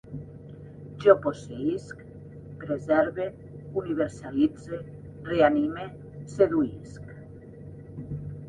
Jo posseïsc,, preserve, universalitze, reanime, seduïsc